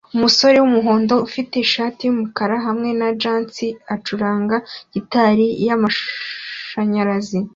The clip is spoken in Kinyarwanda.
Umusore wumuhondo ufite ishati yumukara hamwe na jans acuranga gitari yamashanyarazi